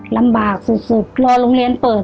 ลำบากสุดรอโรงเรียนเปิด